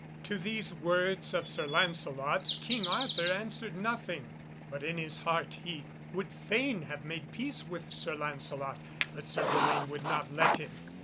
To these words of Sir Lancelot's King Arthur answered nothing, but in his heart he would fain have made peace with Sir Lancelot, but Sir Gawaine would not let him.